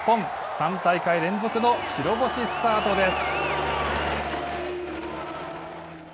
３大会連続の白星スタートです。